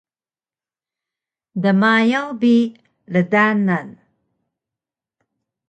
dmayaw bi rdanan